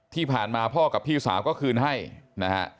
ที่ผ่านมาพ่อกับพี่สาวก็คืนให้นะฮะ